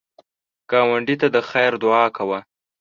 ګاونډي ته د خیر دعا کوه